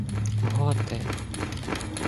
— Готи.